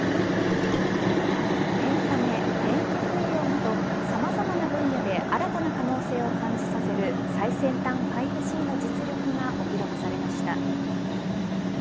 エンタメ、遠隔医療などさまざまな分野で新たな可能性を感じさせる最先端５Ｇの実力がお披露目されました。